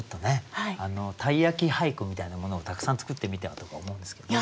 鯛焼俳句みたいなものをたくさん作ってみてはとか思うんですけども。